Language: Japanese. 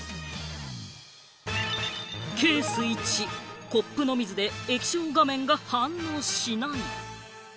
ケース１、コップの水で液晶画面が反応しない。